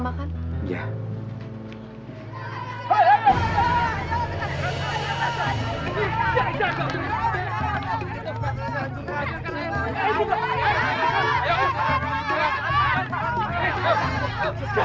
dasar gue pedangga wiso